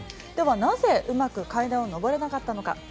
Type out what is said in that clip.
では、なぜうまく階段を上れなかったのか。